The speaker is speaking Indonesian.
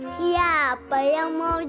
siapa yang mau jalan